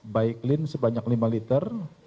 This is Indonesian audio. baiklin sebanyak lima liter